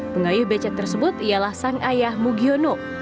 pengayuh becak tersebut ialah sang ayah mugiono